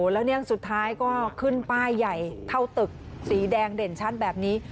แล้วเนี่ยสุดท้ายก็ขึ้นป้ายใหญ่เท่าตึกสีแดงเด่นชัดแบบนี้